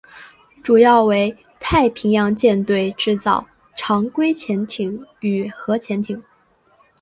主要为太平洋舰队制造常规潜艇与核潜艇。